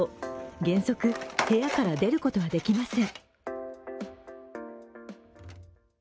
原則、部屋から出ることはできません。